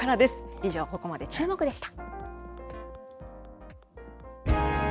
以上、ここまで、チューモク！でした。